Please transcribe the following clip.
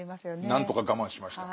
何とか我慢しました。